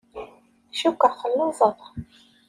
Cukkeɣ telluẓeḍ.